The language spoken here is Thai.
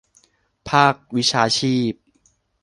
ภาควิชาชีพ